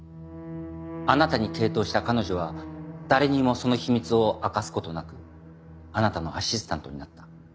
あなたに傾倒した彼女は誰にもその秘密を明かす事なくあなたのアシスタントになった。